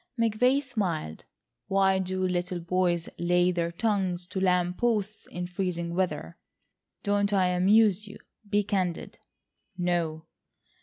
McVay smiled. "Why do little boys lay their tongues to lamp posts in freezing weather? Don't I amuse you? Be candid." "No."